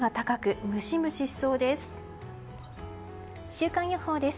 週間予報です。